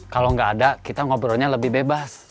kalau nggak ada kita ngobrolnya lebih bebas